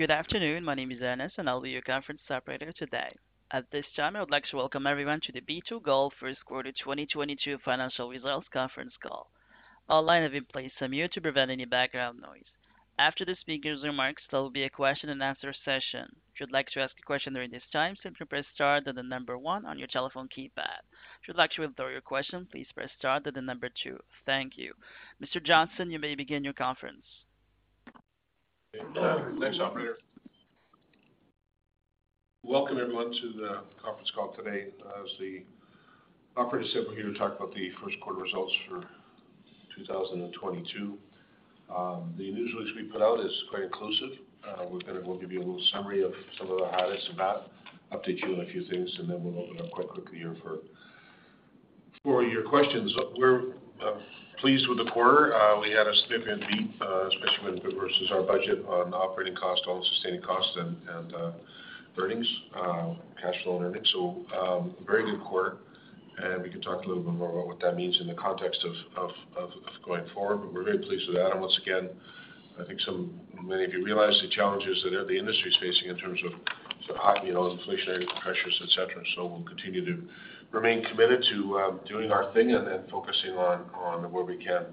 Good afternoon. My name is Ernest, and I'll be your conference operator today. At this time, I would like to Welcome everyone to The B2Gold First Quarter 2022 Financial Results Conference Call. All lines have been placed on mute to prevent any background noise. After the speaker's remarks, there will be a question-and-answer session. If you'd like to ask a question during this time, simply press star, then the number one on your telephone keypad. If you'd like to withdraw your question, please press star, then the number two. Thank you. Clive Johnson, you may begin your conference. Thanks, operator. Welcome, everyone, to the conference call today. As the operator said, we're here to talk about the first quarter results for 2022. The news release we put out is quite inclusive. We're gonna go give you a little summary of some of the highlights of that, update you on a few things, and then we'll open up quite quickly here for your questions. We're pleased with the quarter. We had a significant beat, especially when vs our budget on operating costs, all-in sustaining costs and earnings, cash flow and earnings. Very good quarter, and we can talk a little bit more about what that means in the context of going forward. We're very pleased with that. Once again, I think some. Many of you realize the challenges that the industry is facing in terms of sort of high, you know, inflationary pressures, et cetera. We'll continue to remain committed to doing our thing and focusing on where we can,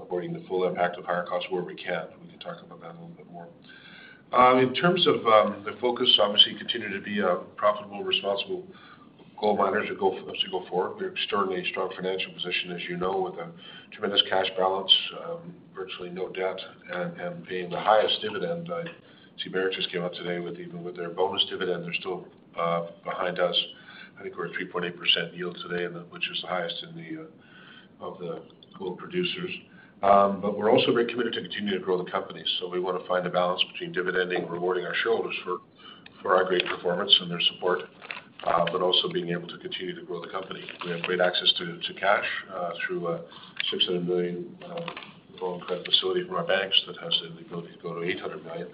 avoiding the full impact of higher costs where we can. We can talk about that a little bit more. In terms of the focus, obviously continue to be a profitable, responsible gold miner for us to go forward. We have extremely strong financial position, as you know, with a tremendous cash balance, virtually no debt and paying the highest dividend. I see Barrick just came out today even with their bonus dividend, they're still behind us. I think we're at 3.8% yield today. Which is the highest of the gold producers. We're also very committed to continue to grow the company. We want to find a balance between dividending, rewarding our shareholders for our great performance and their support, but also being able to continue to grow the company. We have great access to cash through $600 million loan credit facility from our banks that has the ability to go to $800 million,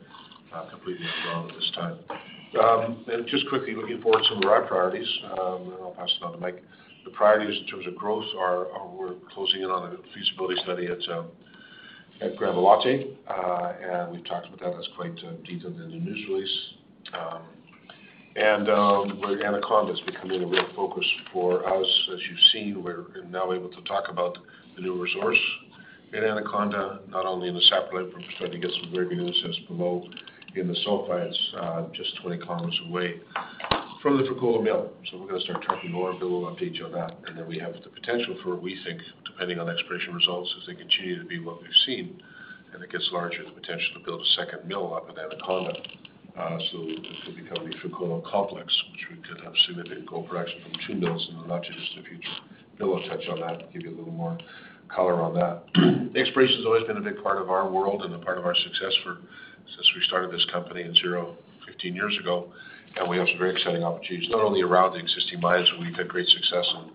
completely drawn at this time. Just quickly looking forward, some of our priorities, and I'll pass it on to Mike. The priorities in terms of growth are we're closing in on a feasibility study at Gramalote, and we've talked about that. That's quite detailed in the news release. Where Anaconda is becoming a real focus for us, as you've seen, we're now able to talk about the new resource in Anaconda, not only in the satellite, but we're starting to get some very good news that's below in the sulfides, just 20 km away from the Fekola Mill. We're gonna start talking more, and Will will update you on that. We have the potential for, we think, depending on exploration results, as they continue to be what we've seen, and it gets larger, the potential to build a second mill up in Anaconda. This will become a Fekola Complex, which we could have significant gold production from two mills and not just a future mill. I'll touch on that and give you a little more color on that. Exploration has always been a big part of our world and a part of our success since we started this company 15 years ago. We have some very exciting opportunities, not only around the existing mines where we've had great success in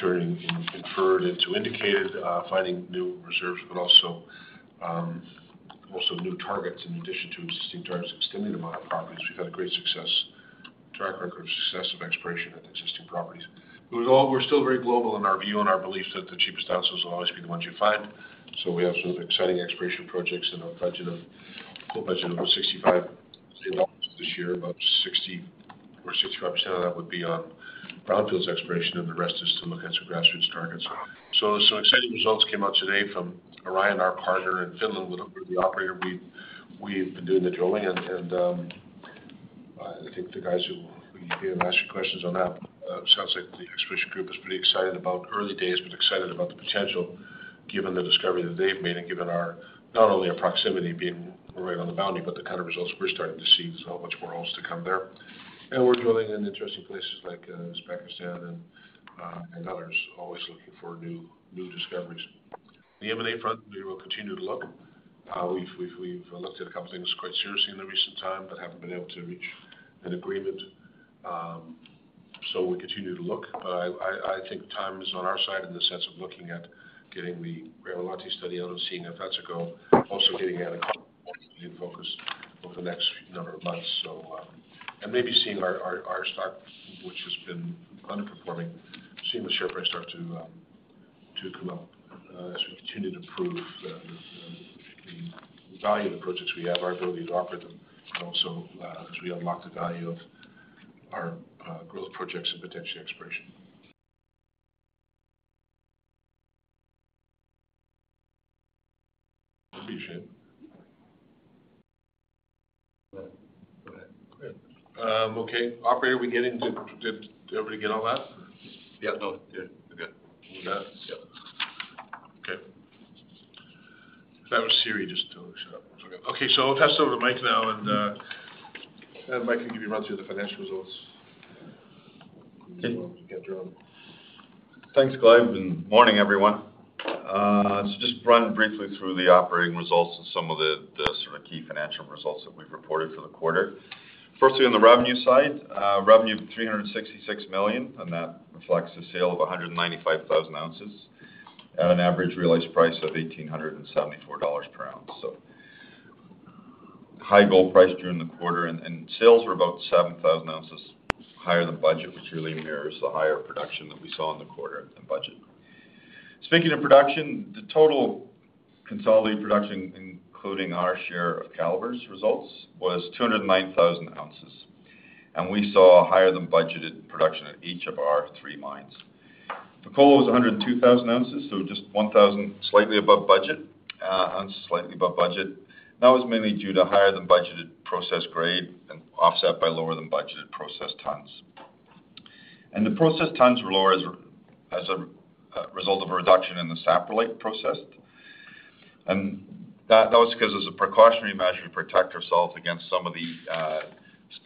turning inferred into indicated, finding new reserves, but also new targets in addition to existing targets, extending them on our properties. We've had a great success, track record of success of exploration at existing properties. We're still very global in our view and our belief that the cheapest ounces will always be the ones you find. We have some exciting exploration projects and a total budget of about $65 million this year, about 60%-65% of that would be on brownfields exploration, and the rest is to look at some grassroots targets. Some exciting results came out today from Aurion, our partner in Finland, with the operator. We've been doing the drilling and I think we can hear them ask you questions on that. Sounds like the exploration group is pretty excited about early days, but excited about the potential given the discovery that they've made and given our, not only our proximity being right on the boundary, but the kind of results we're starting to see. There's a lot more holes to come there. We're drilling in interesting places like Uzbekistan and others, always looking for new discoveries. The M&A front, we will continue to look. We've looked at a couple of things quite seriously in recent times but haven't been able to reach an agreement. We continue to look. I think time is on our side in the sense of looking at getting the Gramalote study out and seeing if that's a go. Also getting Anaconda in focus over the next number of months. Maybe seeing our stock, which has been underperforming, seeing the share price start to come up, as we continue to prove the value of the projects we have, our ability to operate them, and also, as we unlock the value of our growth projects and potentially exploration. Appreciate it. Go ahead. Go ahead. Good. Okay, operator, Did everybody get all that? Yeah. No. Yeah. Yeah. All that? Yeah. Okay. That was Siri just to shut up. It's okay. Okay. I'll pass it over to Mike now, and Mike can give you a run through the financial results. Thanks, Clive, and morning, everyone. Just run briefly through the operating results and some of the sort of key financial results that we've reported for the quarter. Firstly, on the revenue side, revenue of $366 million, and that reflects the sale of 195,000 ounces at an average realized price of $1,874 per ounce. High gold price during the quarter and sales were about 7,000 ounces higher than budget, which really mirrors the higher production that we saw in the quarter than budgeted. Speaking of production, the total consolidated production, including our share of Calibre's results, was 209,000 ounces, and we saw higher than budgeted production at each of our three mines. Fekola was 102,000 ounces, so just 1,000 slightly above budget and slightly above budget. That was mainly due to higher than budgeted processed grade and offset by lower than budgeted processed tons. The processed tons were lower as a result of a reduction in the saprolite processed. That was because as a precautionary measure to protect ourselves against some of the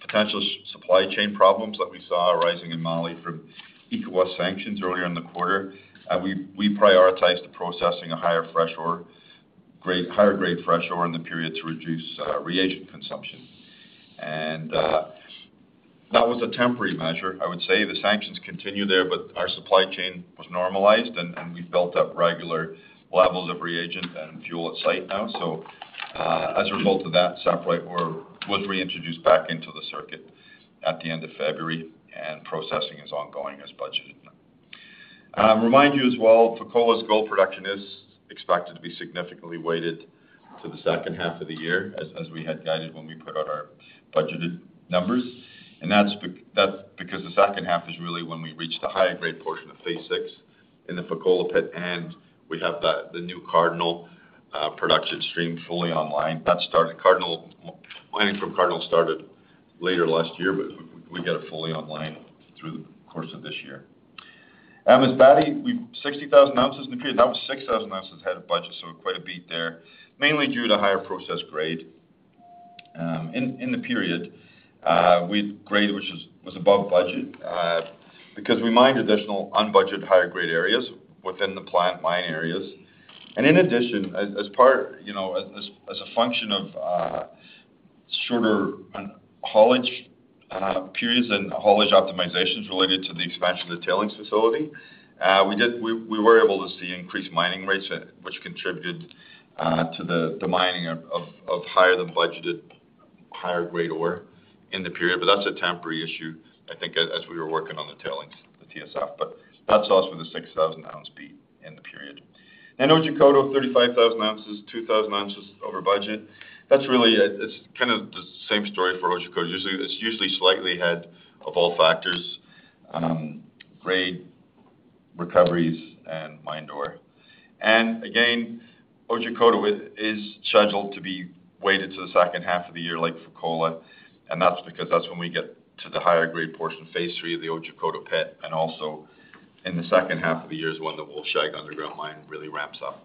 potential supply chain problems that we saw arising in Mali from ECOWAS sanctions earlier in the quarter. We prioritized the processing of higher grade fresh ore in the period to reduce reagent consumption. That was a temporary measure. I would say the sanctions continue there, but our supply chain was normalized and we built up regular levels of reagent and fuel at site now. As a result of that, saprolite ore was reintroduced back into the circuit at the end of February and processing is ongoing as budgeted. Remind you as well, Fekola's gold production is expected to be significantly weighted to the second half of the year as we had guided when we put out our budgeted numbers. That's because the second half is really when we reach the higher grade portion of phase XI in the Fekola pit, and we have the new Cardinal production stream fully online. Mining from Cardinal started later last year, but we get it fully online through the course of this year. Masbate, 60,000 ounces in the period, that was 6,000 ounces ahead of budget, so quite a beat there, mainly due to higher process grade in the period. Grade, which was above budget, because we mined additional unbudgeted higher grade areas within the planned mine areas. In addition, as part, you know, as a function of shorter haulage periods and haulage optimizations related to the expansion of the tailings facility, we were able to see increased mining rates which contributed to the mining of higher than budgeted higher grade ore in the period. That's a temporary issue, I think as we were working on the tailings, the TSF. That puts us with a 6,000 ounce beat in the period. Otjikoto, 35,000 ounces, 2,000 ounces over budget. That's really, it's kind of the same story for Otjikoto. It's usually slightly ahead of all factors, grade recoveries and mined ore. Again, Otjikoto is scheduled to be weighted to the second half of the year like Fekola, and that's because that's when we get to the higher grade portion of phase III of the Otjikoto pit, and also in the second half of the year is when the Wolfshag underground mine really ramps up.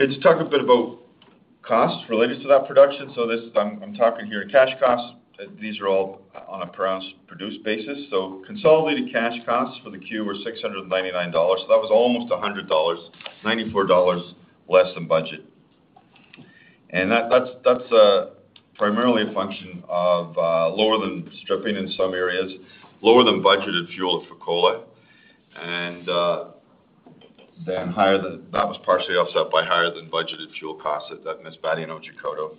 Okay. To talk a bit about costs related to that production. This, I'm talking here cash costs. These are all on a per ounce produced basis. Consolidated cash costs for the Q were $699. That was almost $100, $94 less than budget. That's primarily a function of lower than budgeted stripping in some areas, lower than budgeted fuel at Fekola. That was partially offset by higher than budgeted fuel costs at Masbate and Otjikoto.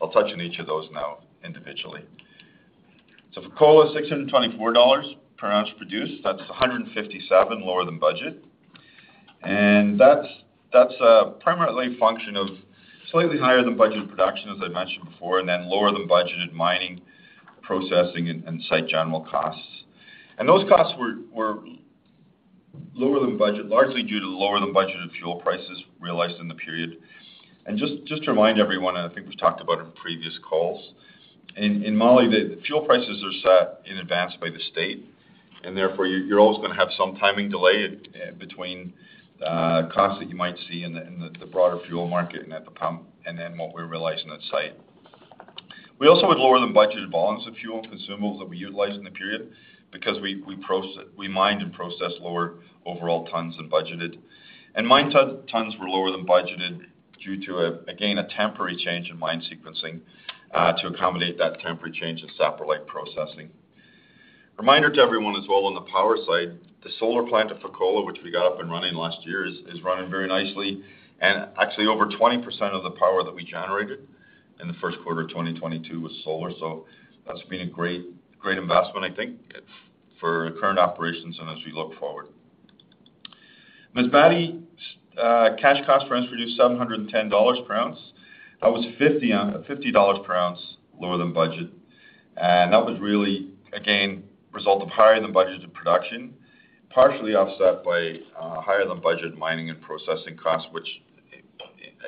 I'll touch on each of those now individually. Fekola, $624 per ounce produced, that's $157 lower than budget. That's primarily a function of slightly higher than budgeted production, as I mentioned before, and then lower than budgeted mining, processing, and site general costs. Those costs were lower than budget, largely due to lower than budgeted fuel prices realized in the period. Just to remind everyone, I think we've talked about in previous calls, in Mali, the fuel prices are set in advance by the state, and therefore you're always going to have some timing delay between costs that you might see in the broader fuel market and at the pump and then what we realize on that site. We also had lower than budgeted volumes of fuel and consumables that we utilized in the period because we mined and processed lower overall tons than budgeted. Mined tons were lower than budgeted due to, again, a temporary change in mine sequencing to accommodate that temporary change in saprolite processing. Reminder to everyone as well on the power side, the solar plant at Fekola, which we got up and running last year, is running very nicely. Actually, over 20% of the power that we generated in the first quarter of 2022 was solar. That's been a great investment, I think, for current operations and as we look forward. Masbate's cash cost per ounce produced, $710 per ounce. That was $50 per ounce lower than budget. That was really, again, result of higher than budgeted production, partially offset by higher than budgeted mining and processing costs, which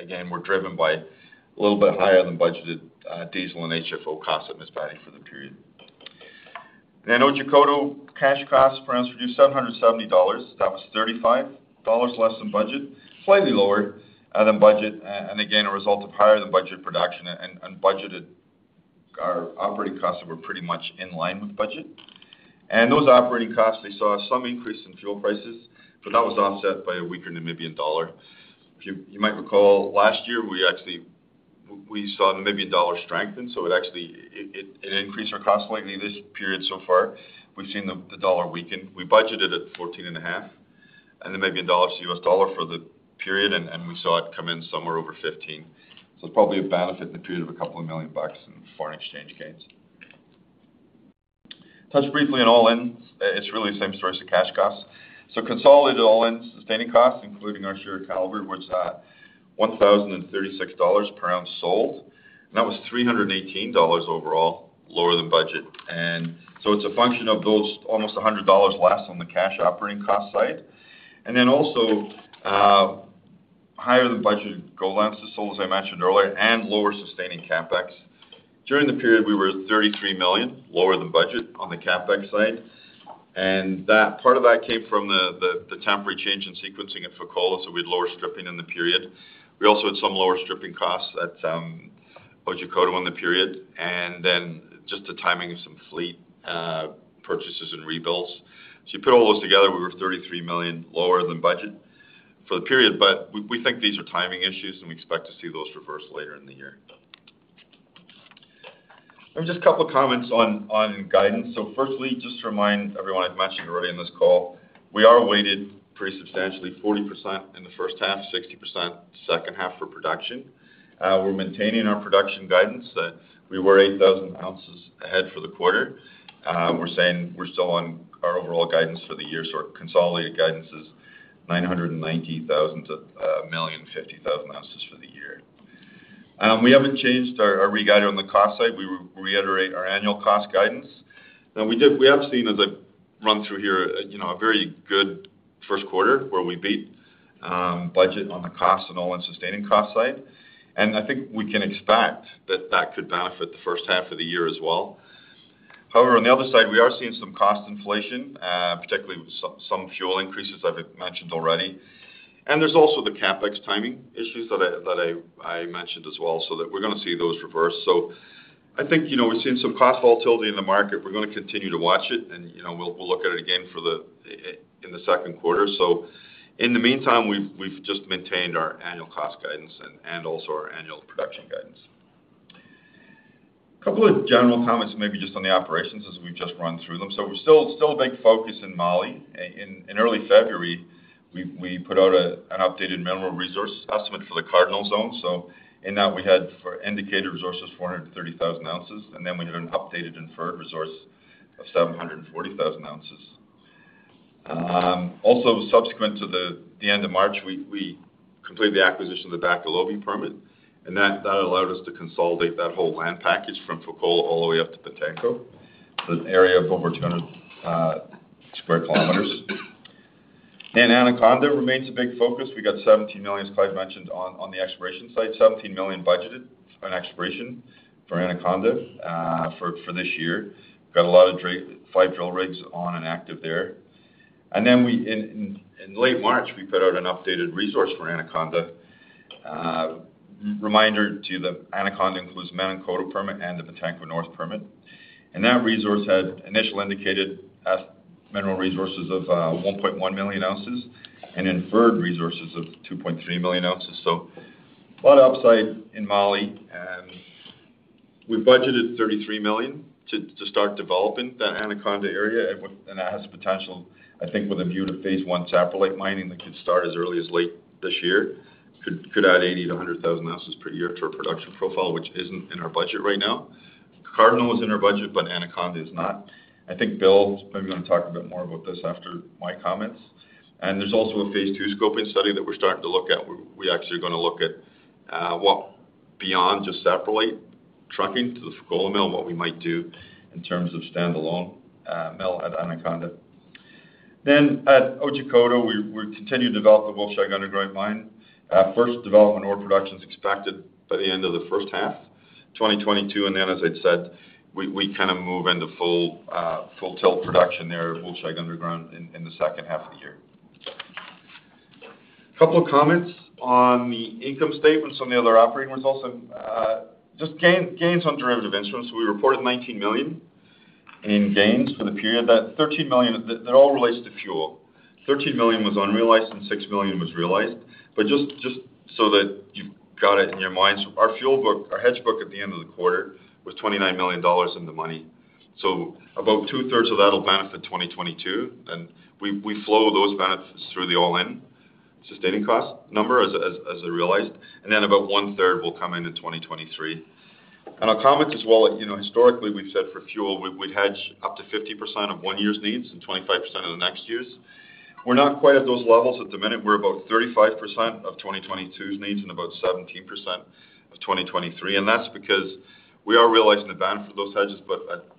again, were driven by a little bit higher than budgeted diesel and HFO costs at Masbate for the period. Otjikoto cash cost per ounce produced, $770. That was $35 less than budget, slightly lower than budget, and again, a result of higher than budget production and our operating costs were pretty much in line with budget. Those operating costs, they saw some increase in fuel prices, but that was offset by a weaker Namibian dollar. If you might recall, last year, we actually, we saw Namibian dollar strengthen, so it actually, it increased our costs slightly. This period so far, we've seen the dollar weaken. We budgeted at 14.5. Then maybe NAD to USD for the period, and we saw it come in somewhere over 15. It's probably a benefit in the period of a couple of million bucks in foreign exchange gains. Touch briefly on all-in. It's really the same story as the cash costs. Consolidated all-in sustaining costs, including our share of Calibre, was at $1,036 per ounce sold. That was $318 overall lower than budget. It's a function of those almost $100 less on the cash operating cost side. Higher than budgeted gold ounces sold, as I mentioned earlier, and lower sustaining CapEx. During the period, we were $33 million lower than budget on the CapEx side. That part of that came from the temporary change in sequencing at Fekola, so we had lower stripping in the period. We also had some lower stripping costs at Otjikoto in the period, and then just the timing of some fleet purchases and rebuilds. You put all those together, we were $33 million lower than budget for the period. We think these are timing issues, and we expect to see those reverse later in the year. Just a couple of comments on guidance. Firstly, just to remind everyone I've mentioned already in this call, we are weighted pretty substantially 40% in the first half, 60% second half for production. We're maintaining our production guidance. We were 8,000 ounces ahead for the quarter. We're saying we're still on our overall guidance for the year, so our consolidated guidance is 990,000-1,050,000 ounces for the year. We haven't changed our reguide on the cost side. We reiterate our annual cost guidance. Now, we have seen as I run through here, you know, a very good first quarter where we beat budget on the costs and all-in sustaining cost side. I think we can expect that could benefit the first half of the year as well. However, on the other side, we are seeing some cost inflation, particularly with some fuel increases I've mentioned already. There's also the CapEx timing issues that I mentioned as well, so we're gonna see those reverse. I think, you know, we've seen some cost volatility in the market. We're gonna continue to watch it and, you know, we'll look at it again in the second quarter. In the meantime, we've just maintained our annual cost guidance and also our annual production guidance. A couple of general comments maybe just on the operations as we've just run through them. We're still a big focus in Mali. In early February, we put out an updated mineral resource estimate for the Cardinal zone. In that we had indicated resources, 400,000 ounces, and then we had an updated inferred resource of 740,000 ounces. Also subsequent to the end of March, we completed the acquisition of the Bakolobi permit, and that allowed us to consolidate that whole land package from Fekola all the way up to Bantako, an area of over 200 sq km. Anaconda remains a big focus. We got $17 million, as Clive mentioned, on the exploration site, $17 million budgeted on exploration for Anaconda, for this year. Got a lot of five drill rigs on and active there. In late March, we put out an updated resource for Anaconda. Reminder to you that Anaconda includes Menankoto permit and the Bantako North permit, and that resource had initial indicated as mineral resources of 1.1 million ounces and inferred resources of 2.3 million ounces. A lot of upside in Mali, and we've budgeted $33 million to start developing the Anaconda area. That has potential, I think with a view to phase one separate mining that could start as early as late this year. Could add 80,000-100,000 ounces per year to our production profile, which isn't in our budget right now. Cardinal is in our budget, but Anaconda is not. I think Will is maybe gonna talk a bit more about this after my comments. There's also a phase two scoping study that we're starting to look at. We actually are gonna look at, well, beyond just separately trucking to the Fekola Mill, what we might do in terms of standalone mill at Anaconda. Then at Otjikoto, we continue to develop the Wolfshag Underground mine. First development ore production is expected by the end of the first half of 2022, and then, as I said, we kinda move into full tilt production there at Fekola Underground in the second half of the year. A couple of comments on the income statement, some of the other operating results and just gains on derivative instruments. We reported $19 million in gains for the period. That $13 million, they all relates to fuel. $13 million was unrealized, and $6 million was realized. But just so that you've got it in your minds, our fuel book, our hedge book at the end of the quarter was $29 million in the money. So about two-thirds of that will benefit 2022, and we flow those benefits through the all-in sustaining cost number as they're realized. Then about 1/3 will come in in 2023. I'll comment as well, you know, historically, we've said for fuel, we hedge up to 50% of one year's needs and 25% of the next year's. We're not quite at those levels at the minute. We're about 35% of 2022's needs and about 17% of 2023. That's because we are realizing the benefit of those hedges.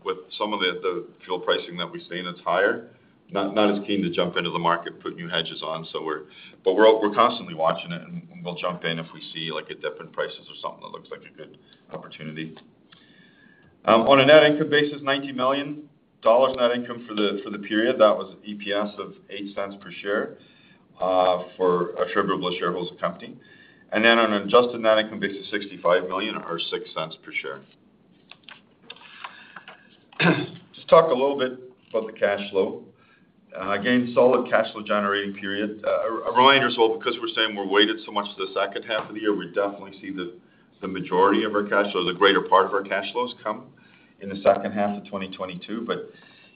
With some of the fuel pricing that we've seen that's higher, not as keen to jump into the market, put new hedges on. We're constantly watching it, and we'll jump in if we see like a dip in prices or something that looks like a good opportunity. On a net income basis, $90 million net income for the period. That was an EPS of $0.08 per share for attributable to shareholders of the company. Then on an adjusted net income basis, $65 million or $0.06 per share. Let's talk a little bit about the cash flow. Again, solid cash flow generating period. A reminder as well, because we're saying we're weighted so much to the second half of the year, we definitely see the majority of our cash flow, the greater part of our cash flows come in the second half of 2022.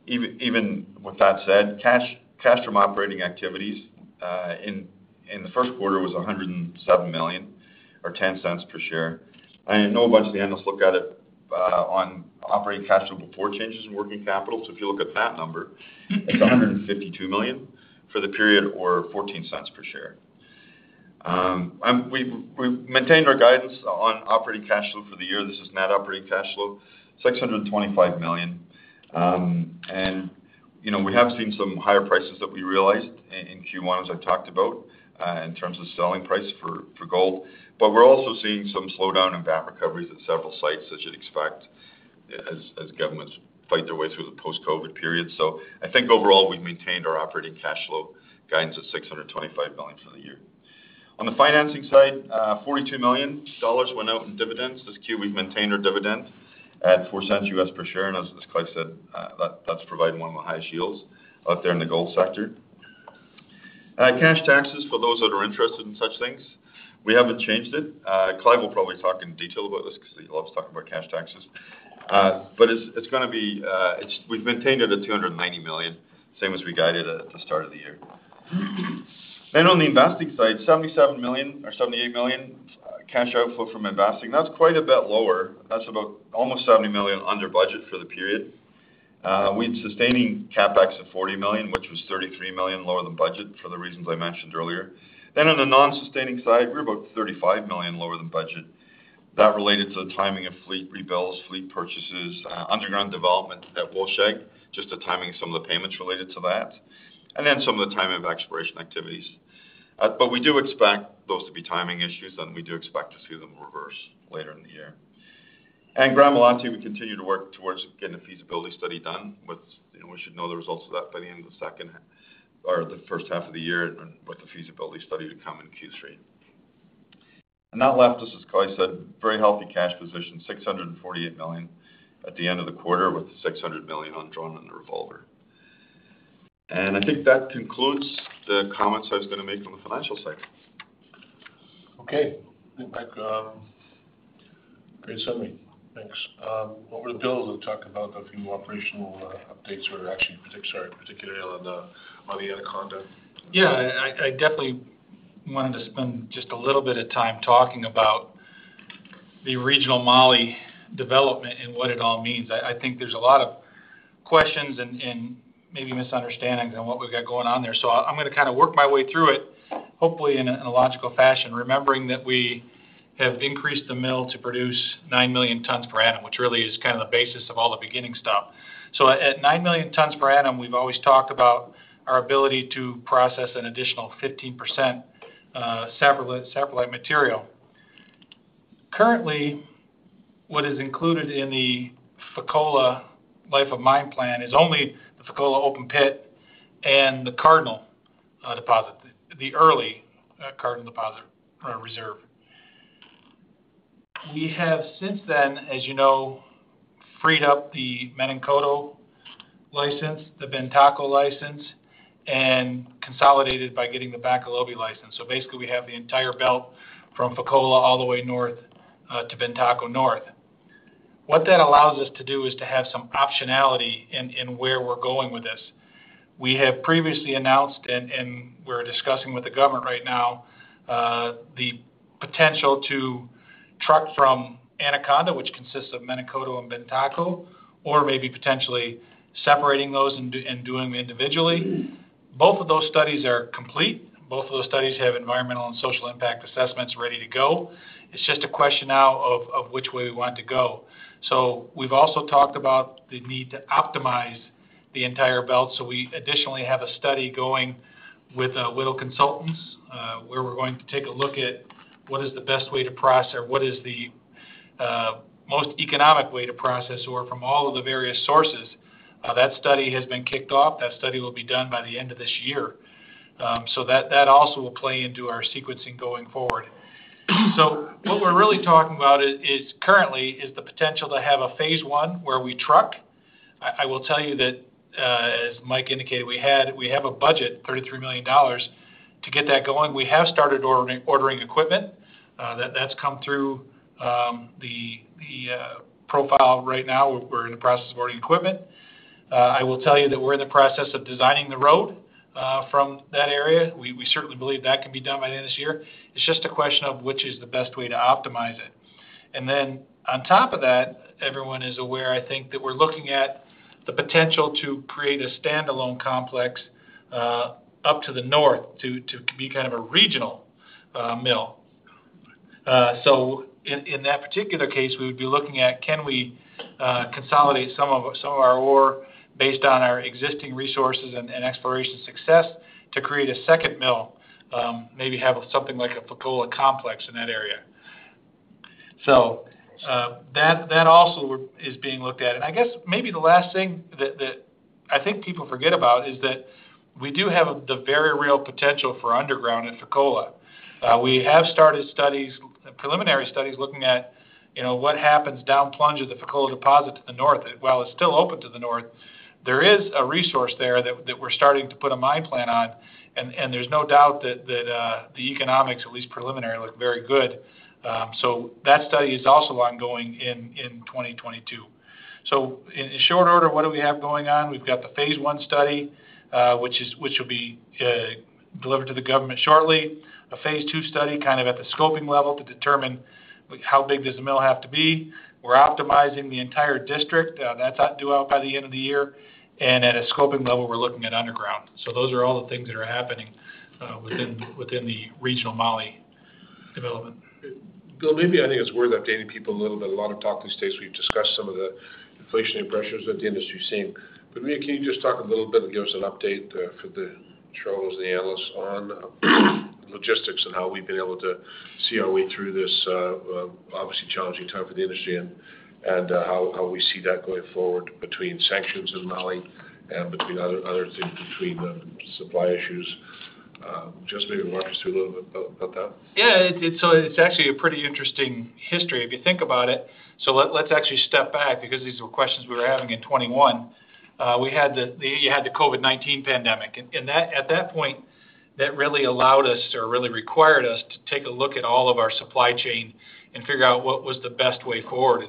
Even with that said, cash from operating activities in the first quarter was $107 million or $0.10 per share. I know a bunch of the analysts look at it on operating cash flow before changes in working capital. If you look at that number, it's $152 million for the period or $0.14 per share. We've maintained our guidance on operating cash flow for the year. This is net operating cash flow, $625 million. You know, we have seen some higher prices that we realized in Q1, as I've talked about, in terms of selling price for gold. But we're also seeing some slowdown in VAT recoveries at several sites, as you'd expect, as governments fight their way through the post-COVID period. I think overall, we've maintained our operating cash flow guidance at $625 million for the year. On the financing side, $42 million went out in dividends. This quarter, we've maintained our dividend at $0.04 per share. As Clive said, that's providing one of the highest yields out there in the gold sector. Cash taxes, for those that are interested in such things, we haven't changed it. Clive will probably talk in detail about this because he loves talking about cash taxes. We've maintained it at $290 million, same as we guided at the start of the year. On the investing side, $77 million or $78 million, cash outflow from investing. That's quite a bit lower. That's about almost $70 million under budget for the period. We're sustaining CapEx at $40 million, which was $33 million lower than budget for the reasons I mentioned earlier. On the non-sustaining side, we're about $35 million lower than budget. That related to the timing of fleet rebuilds, fleet purchases, underground development at Wolfshag, just the timing of some of the payments related to that, and then some of the timing of exploration activities. We do expect those to be timing issues, and we do expect to see them reverse later in the year. Gramalote, we continue to work towards getting the feasibility study done, which, you know, we should know the results of that by the end of or the first half of the year, and with the feasibility study to come in Q3. That left, as Clive said, very healthy cash position, $648 million at the end of the quarter, with $600 million undrawn in the revolver. I think that concludes the comments I was going to make on the financial side. Okay. Think back, great summary. Thanks. Over to Will to talk about a few operational updates or actually particularly on the Anaconda. Yeah. I definitely wanted to spend just a little bit of time talking about the regional Mali development and what it all means. I think there's a lot of questions and maybe misunderstandings on what we've got going on there. I'm gonna kind of work my way through it, hopefully in a logical fashion, remembering that we have increased the mill to produce 9 million tons per annum, which really is kind of the basis of all the beginning stuff. At 9 million tons per annum, we've always talked about our ability to process an additional 15%, separate material. Currently, what is included in the Fekola life of mine plan is only the Fekola open pit and the Cardinal deposit, the early Cardinal deposit reserve. We have since then, as you know, freed up the Menankoto license, the Bantako license, and consolidated by getting the Bakolobi license. Basically, we have the entire belt from Fekola all the way north to Bantako North. What that allows us to do is to have some optionality in where we're going with this. We have previously announced, and we're discussing with the government right now, the potential to truck from Anaconda, which consists of Menankoto and Bantako, or maybe potentially separating those and doing them individually. Both of those studies are complete. Both of those studies have environmental and social impact assessments ready to go. It's just a question now of which way we want to go. We've also talked about the need to optimize the entire belt. We additionally have a study going with Whittle Consulting, where we're going to take a look at what is the best way to process or what is the most economic way to process ore from all of the various sources. That study has been kicked off. That study will be done by the end of this year. That also will play into our sequencing going forward. What we're really talking about is currently the potential to have a phase I where we truck. I will tell you that, as Mike indicated, we have a budget of $33 million to get that going. We have started ordering equipment. That's come through the approval right now. We're in the process of ordering equipment. I will tell you that we're in the process of designing the road from that area. We certainly believe that can be done by the end of this year. It's just a question of which is the best way to optimize it. On top of that, everyone is aware, I think, that we're looking at the potential to create a standalone complex up to the north to be kind of a regional mill. In that particular case, we would be looking at can we consolidate some of our ore based on our existing resources and exploration success to create a second mill, maybe have something like a Fekola Complex in that area. That also is being looked at. I guess maybe the last thing that I think people forget about is that we do have the very real potential for underground at Fekola. We have started studies, preliminary studies, looking at, you know, what happens down plunge of the Fekola deposit to the north. While it's still open to the north. There is a resource there that we're starting to put a mine plan on, and there's no doubt that the economics, at least preliminarily, look very good. That study is also ongoing in 2022. In short order, what do we have going on? We've got the phase I study, which will be delivered to the government shortly. A phase II study, kind of at the scoping level to determine how big does the mill have to be. We're optimizing the entire district. That's due out by the end of the year. At a scoping level, we're looking at underground. Those are all the things that are happening within the regional Mali development. Will, maybe I think it's worth updating people a little bit. A lot of talk these days, we've discussed some of the inflationary pressures that the industry is seeing. Maybe can you just talk a little bit and give us an update for the folks, the analysts on logistics and how we've been able to see our way through this obviously challenging time for the industry and how we see that going forward between sanctions in Mali and between other things, between the supply issues. Just maybe walk us through a little bit about that. Yeah, it's actually a pretty interesting history if you think about it. Let's actually step back because these were questions we were having in 2021. We had the COVID-19 pandemic. At that point, that really allowed us, or really required us to take a look at all of our supply chain and figure out what was the best way forward.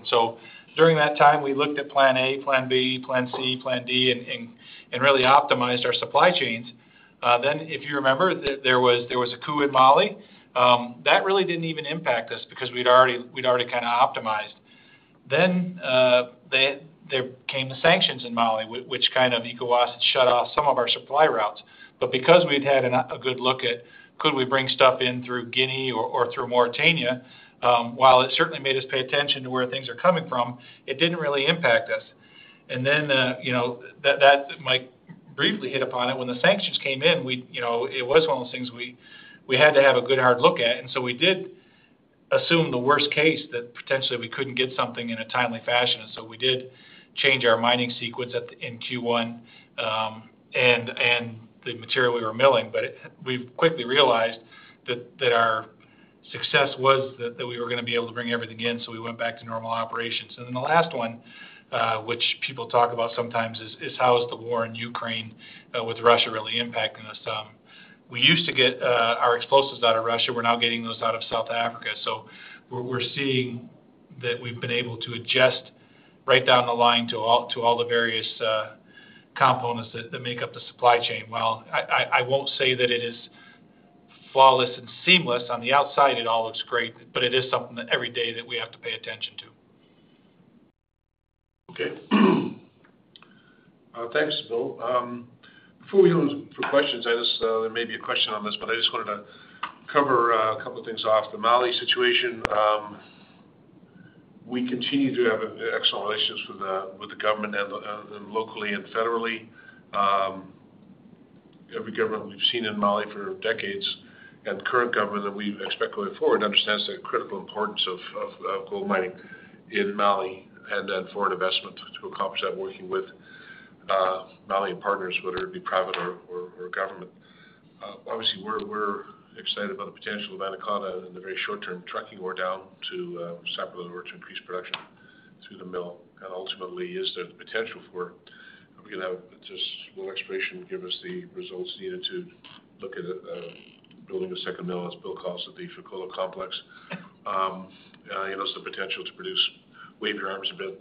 During that time, we looked at plan A, plan B, plan C, plan D, and really optimized our supply chains. If you remember, there was a coup in Mali. That really didn't even impact us because we'd already kinda optimized. There came the sanctions in Mali, which kind of shut off some of our supply routes. Because we'd had a good look at could we bring stuff in through Guinea or through Mauritania, while it certainly made us pay attention to where things are coming from, it didn't really impact us. Then, you know, that Mike briefly hit upon it. When the sanctions came in, we, you know, it was one of those things we had to have a good hard look at. We did assume the worst case that potentially we couldn't get something in a timely fashion. We did change our mining sequence in Q1 and the material we were milling. We quickly realized that our success was that we were gonna be able to bring everything in, so we went back to normal operations. The last one, which people talk about sometimes is how is the war in Ukraine with Russia really impacting us. We used to get our explosives out of Russia. We're now getting those out of South Africa. We're seeing that we've been able to adjust right down the line to all the various components that make up the supply chain. Well, I won't say that it is flawless and seamless. On the outside, it all looks great, but it is something that every day that we have to pay attention to. Okay. Thanks, Will. Before we open for questions, I just, there may be a question on this, but I just wanted to cover a couple of things off the Mali situation. We continue to have excellent relations with the government and locally and federally. Every government we've seen in Mali for decades and current government that we expect going forward understands the critical importance of gold mining in Mali, and then foreign investment to accomplish that, working with Mali partners, whether it be private or government. Obviously, we're excited about the potential of Anaconda in the very short term, trucking ore down to separate ore to increase production through the mill. Ultimately, is there the potential for we can have just a little exploration, give us the results needed to look at building a second mill, as Will calls it, the Fekola Complex. You know, there's the potential to produce, wave your arms a bit,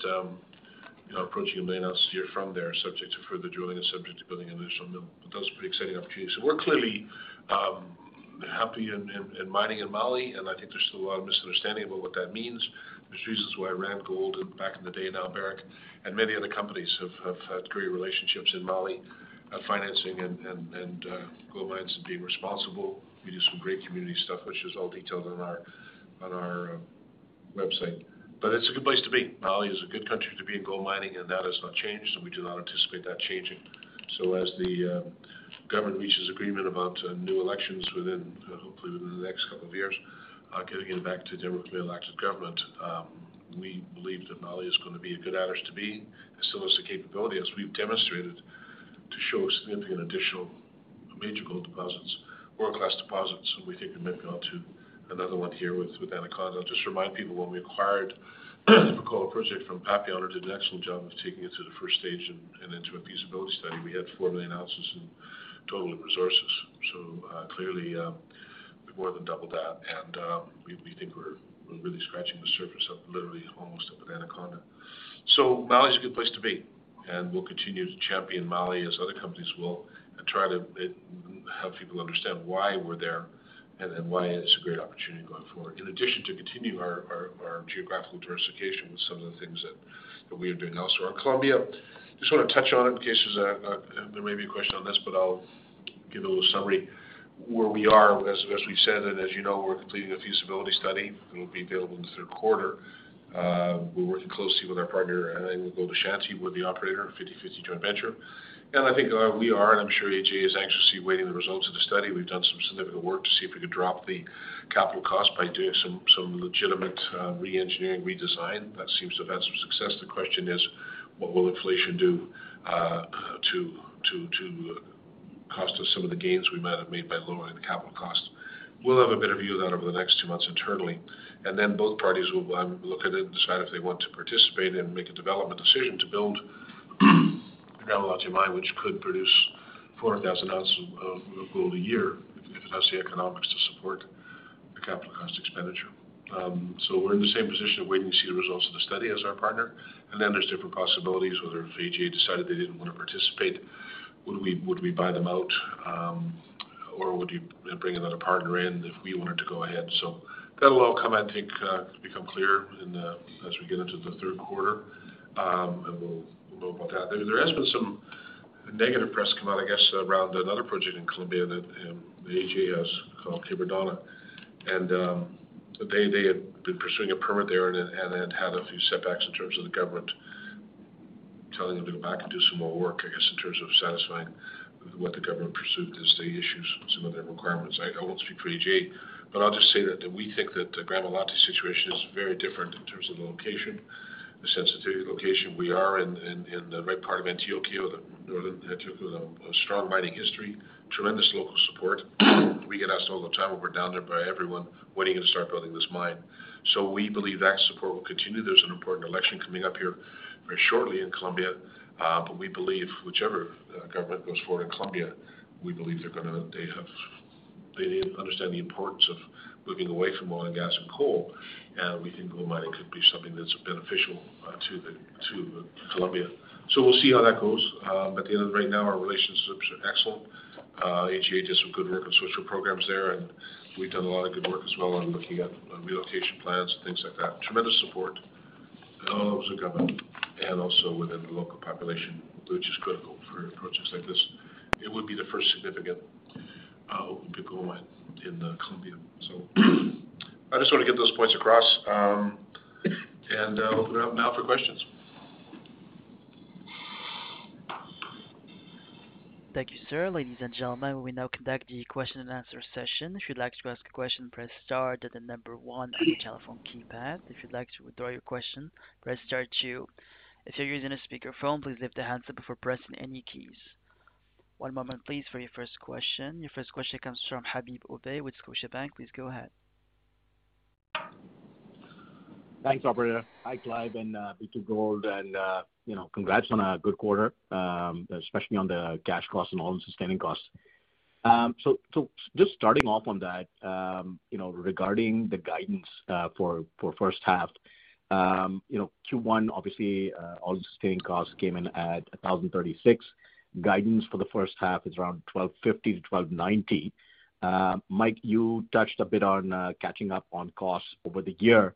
approaching 1 million ounces a year from there, subject to further drilling and subject to building an additional mill. That's a pretty exciting opportunity. We're clearly happy in mining in Mali, and I think there's still a lot of misunderstanding about what that means, which is why Randgold back in the day, now Barrick and many other companies have had great relationships in Mali, financing and gold mines and being responsible. We do some great community stuff, which is all detailed on our website. It's a good place to be. Mali is a good country to be in gold mining, and that has not changed, and we do not anticipate that changing. As the government reaches agreement about new elections within, hopefully within the next couple of years, getting it back to democratically elected government, we believe that Mali is gonna be a good place to be, and still has the capability, as we've demonstrated, to show significant additional major gold deposits, world-class deposits. We think it might be on to another one here with Anaconda. Just remind people, when we acquired Fekola project from past owner, did an excellent job of taking it to the first stage and into a feasibility study. We had 4 million ounces in total in resources. Clearly, we more than doubled that. We think we're really scratching the surface of literally almost up at Anaconda. Mali is a good place to be, and we'll continue to champion Mali as other companies will, and try to help people understand why we're there and why it's a great opportunity going forward. In addition to continuing our geographical diversification with some of the things that we are doing elsewhere. Colombia, just wanna touch on it in case there's a question on this. There may be a question on this, but I'll give a little summary. Where we are, as we've said, and as you know, we're completing a feasibility study that will be available in the third quarter. We're working closely with our partner, and then we'll go to the board with the operator, 50/50 joint venture. I think we are, and I'm sure AGA is anxiously awaiting the results of the study. We've done some significant work to see if we could drop the capital cost by doing some legitimate reengineering, redesign. That seems to have had some success. The question is, what will inflation do to the cost of some of the gains we might have made by lowering the capital costs. We'll have a better view of that over the next two months internally, and then both parties will look at it and decide if they want to participate and make a development decision to build Gramalote Mine, which could produce 400,000 ounces of gold a year if it has the economics to support the capital cost expenditure. We're in the same position of waiting to see the results of the study as our partner, and then there's different possibilities, whether if AGA decided they didn't wanna participate, would we buy them out, or would you bring another partner in if we wanted to go ahead? That'll all come, I think, become clear in the as we get into the third quarter. We'll know about that. There has been some negative press come out, I guess, around another project in Colombia that AGA has called Quebradona. They had been pursuing a permit there and had a few setbacks in terms of the government telling them to go back and do some more work, I guess, in terms of satisfying what the government perceived as the issues and some of their requirements. I won't speak for AGA, but I'll just say that we think that the Gramalote situation is very different in terms of the location, the sensitivity of the location. We are in the right part of Antioquia, the northern Antioquia, with a strong mining history, tremendous local support. We get asked all the time when we're down there by everyone, "When are you gonna start building this mine?" We believe that support will continue. There's an important election coming up here very shortly in Colombia, but we believe whichever government goes forward in Colombia, we believe they're gonna they have they understand the importance of moving away from oil and gas and coal, and we think gold mining could be something that's beneficial to Colombia. We'll see how that goes. At the end of right now, our relationships are excellent. AGA did some good work on social programs there, and we've done a lot of good work as well on looking at, on relocation plans and things like that. Tremendous support from the government and also within the local population, which is critical for projects like this. It would be the first significant open pit gold mine in Colombia. I just wanna get those points across, and I'll open it up now for questions. Thank you, sir. Ladies and gentlemen, we now conduct the question and answer session. If you'd like to ask a question, press star, then the number one on your telephone keypad. If you'd like to withdraw your question, press star two. If you're using a speakerphone, please lift the handset before pressing any keys. One moment, please, for your first question. Your first question comes from Ovais Habib with Scotiabank. Please go ahead. Thanks, operator. Hi, Clive and B2Gold, you know, congrats on a good quarter, especially on the cash costs and all-in sustaining costs. Just starting off on that, you know, regarding the guidance, for first half, you know, Q1, obviously, all-in sustaining costs came in at $1,036. Guidance for the first half is around $1,250-$1,290. Mike, you touched a bit on catching up on costs over the year,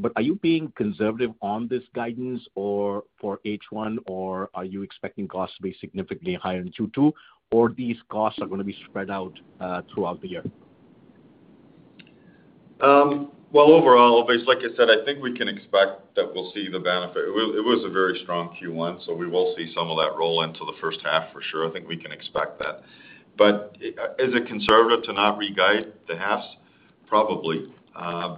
but are you being conservative on this guidance or for H1, or are you expecting costs to be significantly higher in Q2, or these costs are gonna be spread out throughout the year? Well, overall, like I said, I think we can expect that we'll see the benefit. It was a very strong Q1, so we will see some of that roll into the first half for sure. I think we can expect that. Is it conservative to not re-guide the halves? Probably.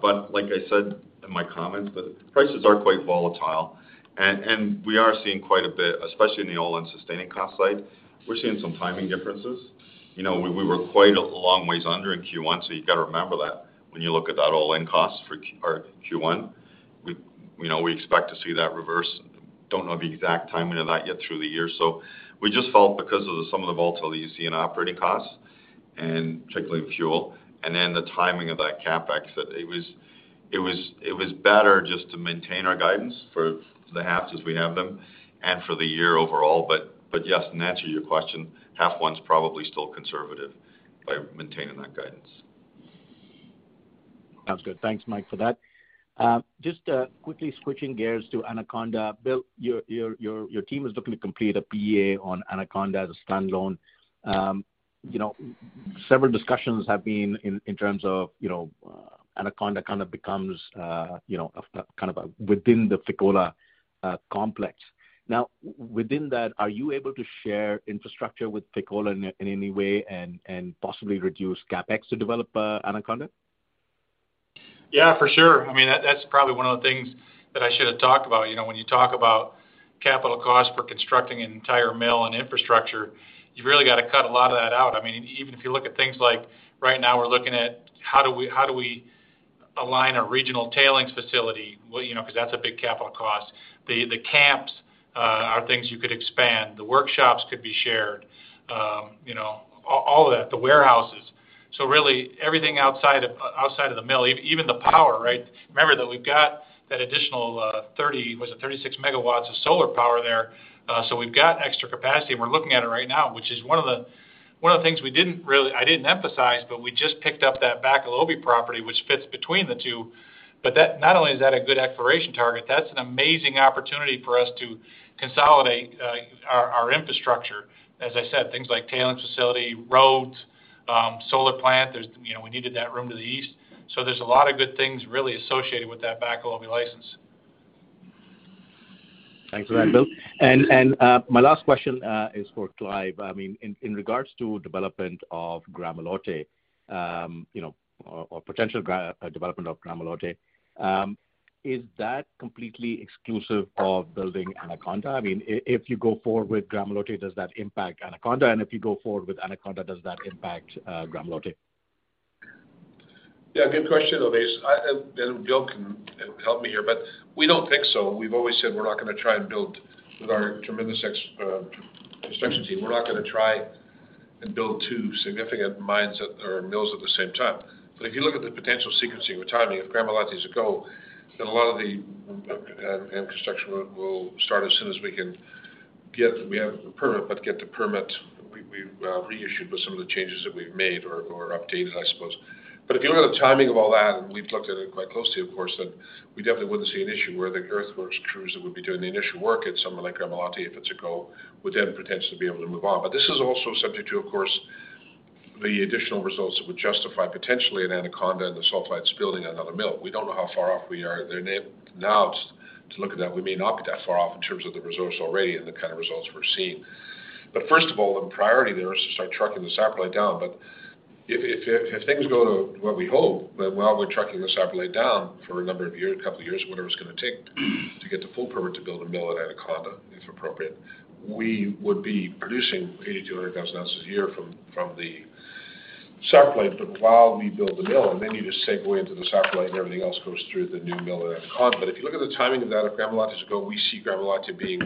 Like I said in my comments, the prices are quite volatile and we are seeing quite a bit, especially in the all-in sustaining cost side, we're seeing some timing differences. You know, we were quite a long ways under in Q1, so you gotta remember that when you look at that all-in cost for Q1. We know we expect to see that reverse. Don't know the exact timing of that yet through the year. We just felt because of some of the volatility you see in operating costs and particularly with fuel and then the timing of that CapEx, that it was better just to maintain our guidance for the halves as we have them and for the year overall. But yes, in answer to your question, half one's probably still conservative by maintaining that guidance. Sounds good. Thanks, Mike, for that. Just quickly switching gears to Anaconda. Will, your team is looking to complete a PEA on Anaconda as a standalone. You know, several discussions have been in terms of, you know, Anaconda kind of becomes, you know, a kind of a within the Fekola Complex. Now, within that, are you able to share infrastructure with Fekola in any way and possibly reduce CapEx to develop Anaconda? Yeah, for sure. I mean, that's probably one of the things that I should have talked about. You know, when you talk about capital costs for constructing an entire mill and infrastructure, you've really got to cut a lot of that out. I mean, even if you look at things like right now we're looking at how do we align a regional tailings facility? Well, you know, 'cause that's a big capital cost. The camps are things you could expand. The workshops could be shared. You know, all of that, the warehouses. So really everything outside of the mill, even the power, right? Remember that we've got that additional 30, was it 36 MW of solar power there? We've got extra capacity, and we're looking at it right now, which is one of the things I didn't emphasize, but we just picked up that Bakolobi property, which fits between the two. But that, not only is that a good exploration target, that's an amazing opportunity for us to consolidate our infrastructure. As I said, things like tailings facility, roads, solar plant. There's, you know, we needed that room to the east. There's a lot of good things really associated with that Bakolobi license. Thanks for that, Will. My last question is for Clive. I mean, in regards to development of Gramalote, you know, or potential development of Gramalote. Is that completely exclusive of building Anaconda? I mean, if you go forward with Gramalote, does that impact Anaconda? And if you go forward with Anaconda, does that impact Gramalote? Yeah, good question, Ovais. Will can help me here, but we don't think so. We've always said we're not gonna try and build with our tremendous construction team. We're not gonna try and build two significant mines or mills at the same time. If you look at the potential sequencing or timing of Gramalote is a go, then a lot of the mill and construction will start as soon as we can get the permit reissued with some of the changes that we've made or updated, I suppose. If you look at the timing of all that, and we've looked at it quite closely, of course, then we definitely wouldn't see an issue where the earthworks crews that would be doing the initial work at somewhere like Gramalote, if it's a go, would then potentially be able to move on. This is also subject to, of course, the additional results that would justify potentially an Anaconda and the sulfides building another mill. We don't know how far off we are. They're now to look at that, we may not be that far off in terms of the resource already and the kind of results we're seeing. First of all, the priority there is to start trucking the saprolite down. If things go to what we hope, then while we're trucking the saprolite down for a number of years, a couple of years, whatever it's gonna take to get the full permit to build a mill at Anaconda, if appropriate, we would be producing 80,000-100,000 ounces a year from the saprolite. While we build the mill, and then you just segue into the saprolite, and everything else goes through the new mill at Anaconda. If you look at the timing of that, if Gramalote is a go, we see Gramalote being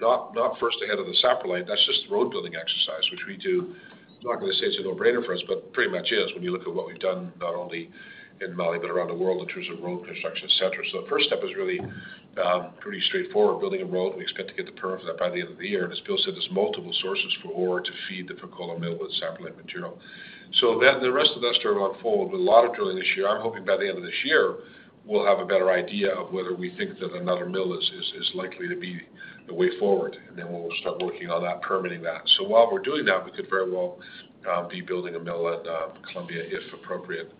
not first ahead of the saprolite. That's just road building exercise, which we do. I'm not gonna say it's a no-brainer for us, but pretty much is when you look at what we've done, not only in Mali but around the world in terms of road construction, et cetera. The first step is really pretty straightforward, building a road. We expect to get the permit for that by the end of the year. As Will said, there's multiple sources for ore to feed the Fekola Mill with saprolite material. Then the rest of that start to unfold. With a lot of drilling this year, I'm hoping by the end of this year, we'll have a better idea of whether we think that another mill is likely to be the way forward, and then we'll start working on that, permitting that. While we're doing that, we could very well be building a mill at Colombia, if appropriate,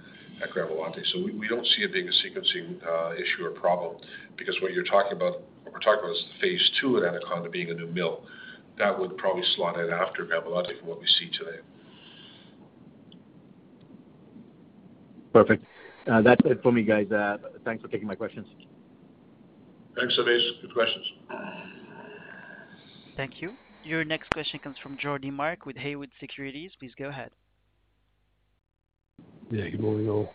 at Gramalote. We don't see a big sequencing issue or problem because what you're talking about, what we're talking about is phase II at Anaconda being a new mill. That would probably slot in after Gramalote from what we see today. Perfect. That's it for me, guys. Thanks for taking my questions. Thanks, Ovais. Good questions. Thank you. Your next question comes from Jamie Spratt with Haywood Securities. Please go ahead. Yeah, good morning, all.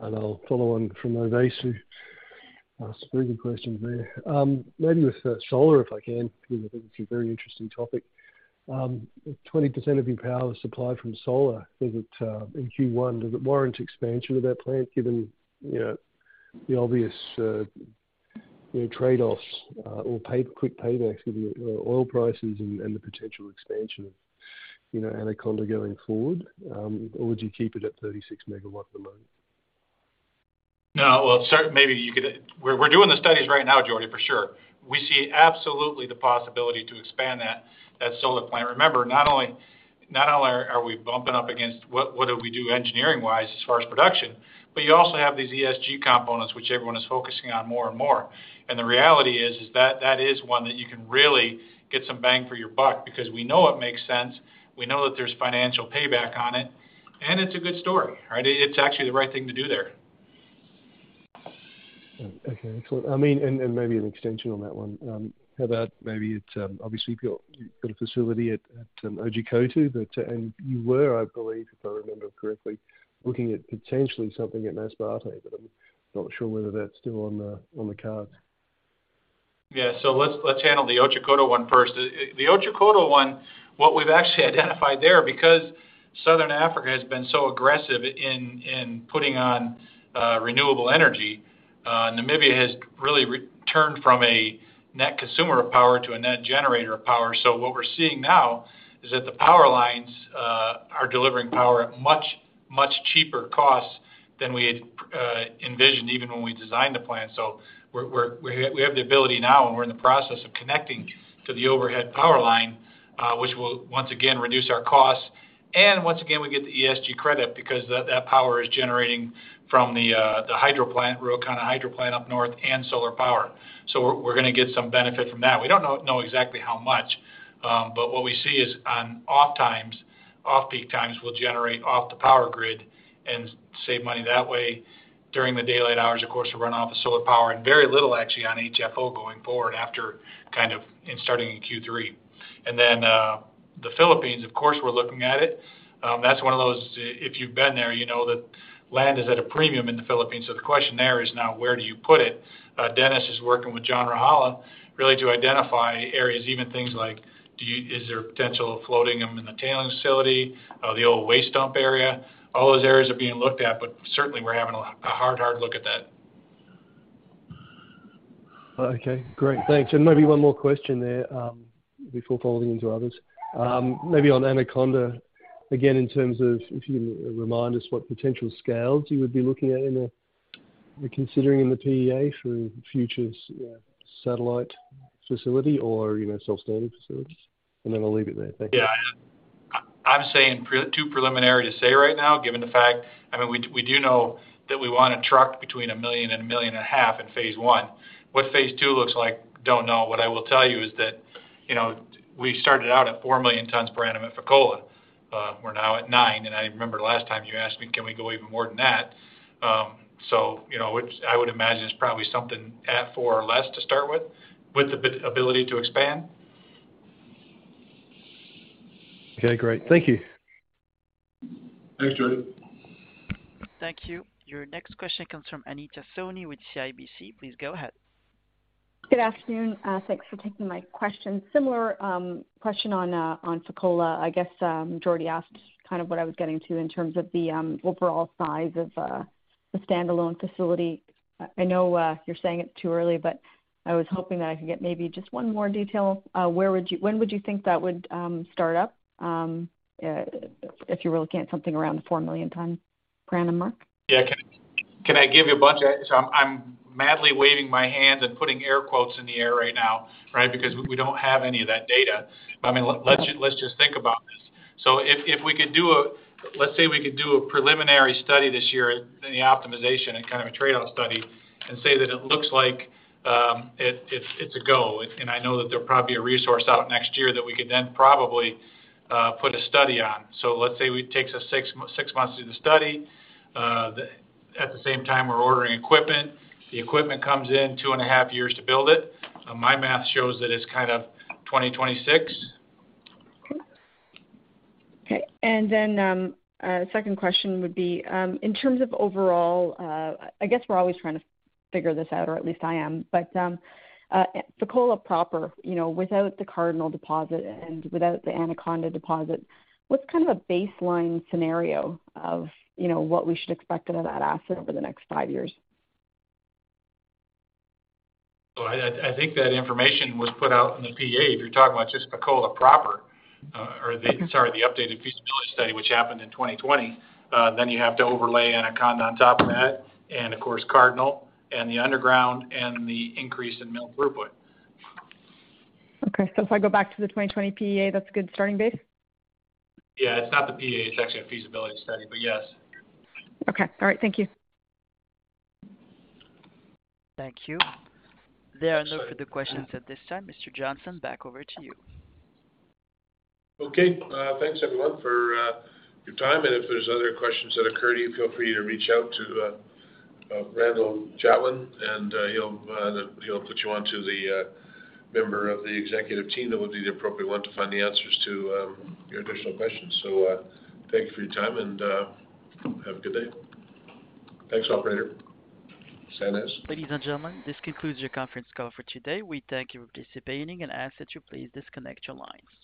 I'll follow on from Ovais, who asked very good questions there. Maybe with solar, if I can, you know, that it's a very interesting topic. 20% of your power is supplied from solar. Is it in Q1 does it warrant expansion of that plant, given, you know, the obvious, you know, trade-offs, or quick paybacks with the oil prices and the potential expansion of, you know, Anaconda going forward? Or would you keep it at 36 MW for the moment? No. Well, we're doing the studies right now, Jamie Spratt, for sure. We see absolutely the possibility to expand that solar plant. Remember, not only are we bumping up against what do we do engineering-wise as far as production, but you also have these ESG components which everyone is focusing on more and more. The reality is that is one that you can really get some bang for your buck because we know it makes sense, we know that there's financial payback on it, and it's a good story, right? It's actually the right thing to do there. Okay, excellent. I mean, maybe an extension on that one. How about maybe it's obvious. You've got a facility at Otjikoto. You were, I believe, if I remember correctly, looking at potentially something at Masbate, but I'm not sure whether that's still on the cards. Yeah. Let's handle the Otjikoto one first. The Otjikoto one, what we've actually identified there, because Southern Africa has been so aggressive in putting on renewable energy, Namibia has really returned from a net consumer of power to a net generator of power. What we're seeing now is that the power lines are delivering power at much cheaper costs than we had envisioned even when we designed the plant. We have the ability now, and we're in the process of connecting to the overhead power line, which will once again reduce our costs. Once again, we get the ESG credit because that power is generating from the hydro plant, Ruacana Hydro Plant up north and solar power. We're gonna get some benefit from that. We don't know exactly how much, but what we see is during off times, off-peak times, we'll run off the power grid and save money that way. During the daylight hours, of course, we run off of solar power and very little actually on HFO going forward, starting in Q3. The Philippines, of course, we're looking at it. That's one of those, if you've been there, you know that land is at a premium in the Philippines, so the question there is now, where do you put it? Dennis is working with John Rajala really to identify areas, even things like, is there potential of floating them in the tailings facility, the old waste dump area? All those areas are being looked at, but certainly we're having a hard look at that. Okay, great. Thanks. Maybe one more question there, before folding into others. Maybe on Anaconda, again, in terms of if you can remind us what potential scales you're considering in the PEA for future satellite facility or, you know, self-standing facilities. I'll leave it there. Thank you. Yeah. I'm saying too preliminary to say right now, given the fact, I mean, we do know that we wanna truck between 1 million and 1.5 million in phase I. What phase II looks like, don't know. What I will tell you is that, you know, we started out at 4 million tons per annum at Fekola. At nine. I remember last time you asked me, can we go even more than that? So, you know, which I would imagine is probably something at four or less to start with the ability to expand. Okay, great. Thank you. Thanks, Jamie Spratt. Thank you. Your next question comes from Anita Soni with CIBC. Please go ahead. Good afternoon. Thanks for taking my question. Similar question on Fekola. I guess Jordy asked kind of what I was getting to in terms of the overall size of the standalone facility. I know you're saying it's too early, but I was hoping that I could get maybe just one more detail. When would you think that would start up, if you were looking at something around the 4 million ton per annum mark? Yeah. Can I give you a bunch of. I'm madly waving my hand and putting air quotes in the air right now, right? Because we don't have any of that data. I mean, let's just think about this. If we could do a preliminary study this year in the optimization and kind of a trade-off study and say that it looks like it's a go. I know that there'll probably a resource out next year that we could then probably put a study on. Let's say it takes us 6 months to do the study. At the same time, we're ordering equipment. The equipment comes in 2.5 years to build it. My math shows that it's kind of 2026. Okay. A second question would be, in terms of overall, I guess we're always trying to figure this out, or at least I am. Fekola Proper, you know, without the Cardinal deposit and without the Anaconda deposit, what's kind of a baseline scenario of, you know, what we should expect out of that asset over the next five years? I think that information was put out in the PEA. If you're talking about just Fekola Proper, or the updated feasibility study, which happened in 2020, then you have to overlay Anaconda on top of that and of course Cardinal and the underground and the increase in mill throughput. Okay. If I go back to the 2020 PEA, that's a good starting basis? Yeah. It's not the PEA, it's actually a feasibility study. Yes. Okay. All right. Thank you. Thank you. There are no further questions at this time. Clive Johnson, back over to you. Okay. Thanks everyone for your time. If there's other questions that occur to you, feel free to reach out to Randall Chatwin, and he'll put you on to the member of the executive team that will be the appropriate one to find the answers to your additional questions. Thank you for your time and have a good day. Thanks, operator. Ladies and gentlemen, this concludes your conference call for today. We thank you for participating and ask that you please disconnect your lines.